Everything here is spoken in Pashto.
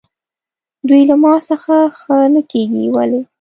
دوی له ما څخه ښه نه کېږي، ولې؟